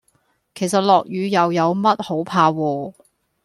其實落雨又有乜好怕喎